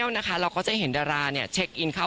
นะคะเราก็จะเห็นดราเนี่ยเข็กอินเข้า